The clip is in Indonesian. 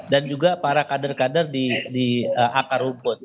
dan juga para kader kader di akar rumput